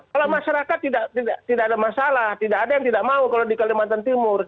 kalau masyarakat tidak ada masalah tidak ada yang tidak mau kalau di kalimantan timur